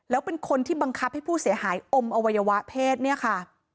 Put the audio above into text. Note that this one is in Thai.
แล้วเป็นคนที่บังคับให้ผู้เสียหายอมอวัยวะเพศเนี่ยค่ะ